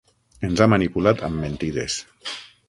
Ens ha manipulat amb mentides.